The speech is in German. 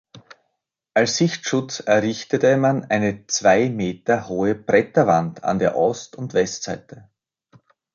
Als Sichtschutz errichtete man eine zwei Meter hohe Bretterwand an der Ost- und Westseite.